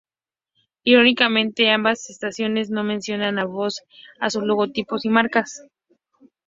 Irónicamente, ambas estaciones no mencionan a Fox en sus logotipos o marcas.